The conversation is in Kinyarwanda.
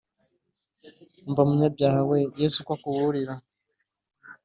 Umva munyabyaha we yesu uko akuburira